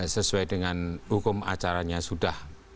sesuai dengan hukum acaranya sudah